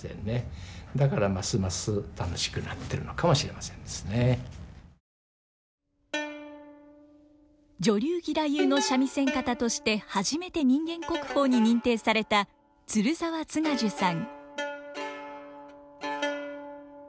まあそれが深さが分かってきたと女流義太夫の三味線方として初めて人間国宝に認定された鶴澤津賀寿さん。